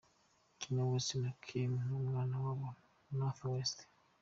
Kanye West na Kim n'umwana wabo North West.